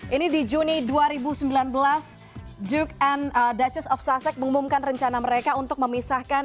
ini di juni dua ribu sembilan belas duke and duchess of sussec mengumumkan rencana mereka untuk memisahkan